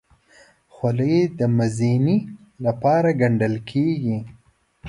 خولۍ د مزینۍ لپاره ګنډل کېږي.